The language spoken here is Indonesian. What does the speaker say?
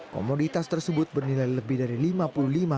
komoditas tersebut bernilai lebih dari lima